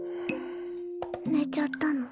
寝ちゃったの？